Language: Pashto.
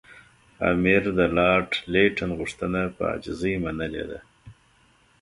امیر د لارډ لیټن غوښتنه په عاجزۍ منلې ده.